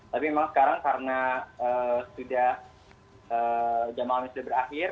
tapi memang sekarang karena sudah jam malam sudah berakhir